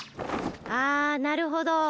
あなるほど。